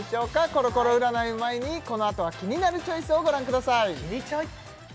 コロコロ占いの前にこのあとはキニナルチョイスをご覧ください